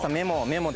メモ。